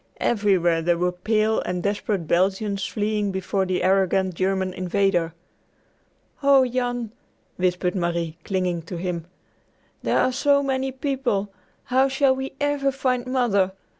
Everywhere there were pale and desperate Belgians fleeing before the arrogant German invader. "Oh, Jan," whispered Marie clinging to him, "there are so many people! How shall we ever find Mother?